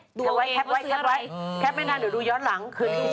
ก็แคร์ปไม่ดูย้อนหลัง